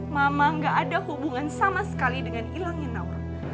mama gak ada hubungan sama sekali dengan hilangnya naur